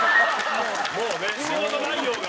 もうね仕事内容が。